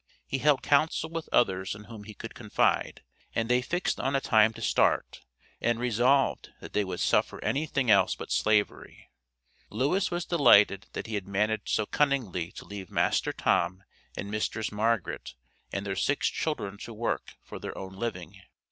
He held counsel with others in whom he could confide, and they fixed on a time to start, and resolved that they would suffer anything else but Slavery. Lewis was delighted that he had managed so cunningly to leave master Tom and mistress Margaret, and their six children to work for their own living.